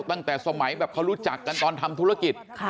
ตั้งแต่สมัยแบบเขารู้จักกันตอนทำธุรกิจ